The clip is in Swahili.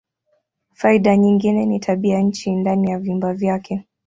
Faida nyingine ni tabianchi ndani ya vyumba vyake.